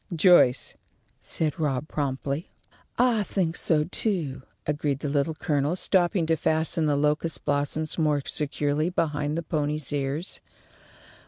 "Joyce," said Rob, promptly. "I think so, too," agreed the Little Colonel, stooping to fasten the locust blossoms more securely behind the pony's ears.